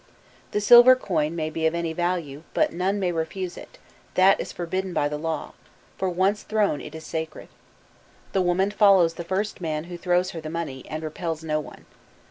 The silver coin may be of any value, but none may refuse it, that is forbidden by the law, for, once thrown, it is sacred. The woman follows the first man who throws her the money, and repels no one.